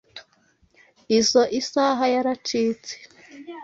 Izoi saha yaracitse.